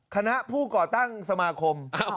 คณะผู้ก่อตั้งสมาคม